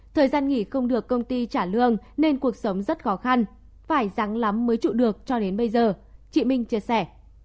thời gian nghỉ không được công ty trả lương nên cuộc sống rất khó khăn phải rắn lắm mới trụ được cho đến bây giờ chị minh chia sẻ